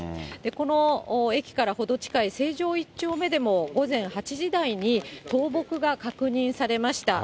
この駅から程近い成城１丁目でも午前８時台に、倒木が確認されました。